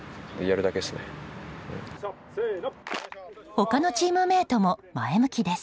他のチームメートも前向きです。